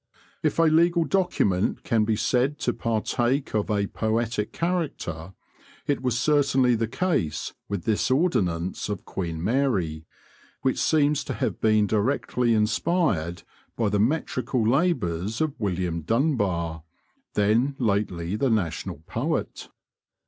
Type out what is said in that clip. If a legal document can be said to partake of a poetic character, it was certainly the case with this ordinance of Queen Mary, which seems to have been directly inspired by the metrical labours of William Dunbar, then lately the national poet.